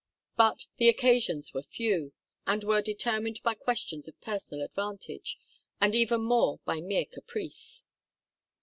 But the occasions were few, and were determined by questions of personal advantage, and even more often by mere caprice.